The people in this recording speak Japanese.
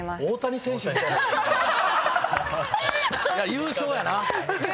優勝やな。